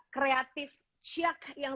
kreatif siak yang